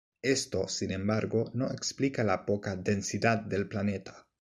Esto, sin embargo, no explica la poca densidad del planeta.